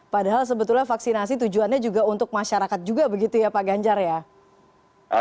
padahal sebetulnya vaksinasi tujuannya juga untuk masyarakat juga begitu ya pak ganjar ya